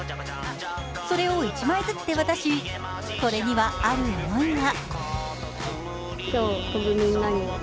それを１枚ずつ手渡しこれにはある思いが。